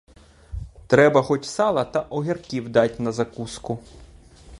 Треба хоч сала та огірків дать на закуску!